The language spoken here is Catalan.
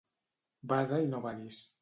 Bada i no badis.